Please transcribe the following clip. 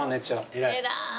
偉い。